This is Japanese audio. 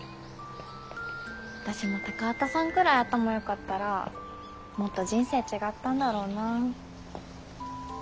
私も高畑さんくらい頭よかったらもっと人生違ったんだろうな。